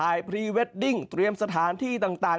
พรีเวดดิ้งเตรียมสถานที่ต่าง